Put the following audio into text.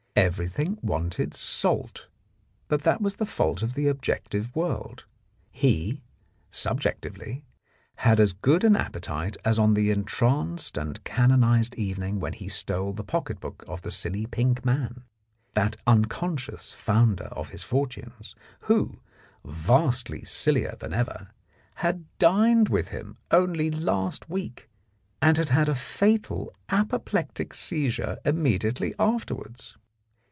Everything wanted salt, but that was the fault of the objective world. He, subjectively, had as good an appetite as on the entranced and canonized even ing when he stole the pocket book of the silly pink man, that unconscious founder of his fortunes, who, vastly sillier than ever, had dined with him only last week, and had had a fatal apoplectic seizure immedi ately afterwards.